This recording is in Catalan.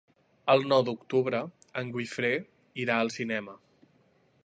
El nou d'octubre en Guifré irà al cinema.